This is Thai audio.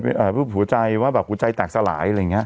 รูปหัวใจว่าแบบหัวใจแตกสลายอะไรอย่างเงี้